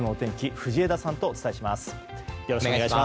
藤枝さんとお伝えします。